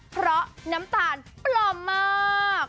เพราะน้ำตาลปลอมมาก